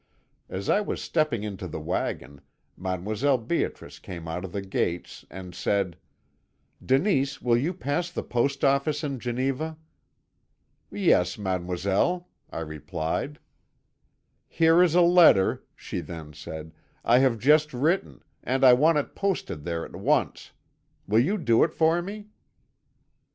As I was stepping into the waggon, Mdlle. Beatrice came out of the gates and said: "'Denise, will you pass the post office in Geneva?' "'Yes, mademoiselle,' I replied. "'Here is a letter,' she then said, 'I have just written, and I want it posted there at once. Will you do it for me?'